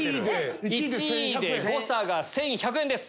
１位で誤差が１１００円です。